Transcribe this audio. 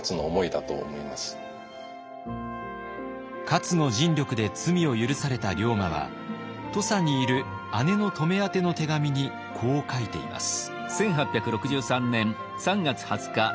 勝の尽力で罪を許された龍馬は土佐にいる姉の乙女宛ての手紙にこう書いています。